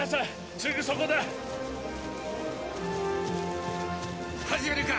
すぐそこだ始めるか！